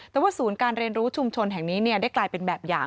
แต่ว่าศูนย์การเรียนรู้ชุมชนแห่งนี้ได้กลายเป็นแบบอย่าง